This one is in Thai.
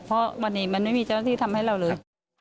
เพราะวันนี้มันไม่มีเจ้าหน้าที่ทำให้เราเลย